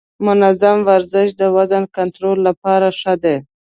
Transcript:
منظم ورزش د وزن کنټرول لپاره ښه دی.